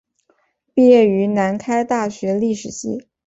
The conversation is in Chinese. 毕业于南开大学历史系。